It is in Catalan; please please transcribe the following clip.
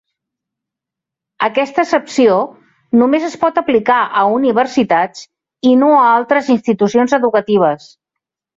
Aquesta excepció només es pot aplicar a universitats i no a altres institucions educatives.